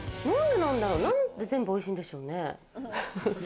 なんで全部おいしいんでしょうね。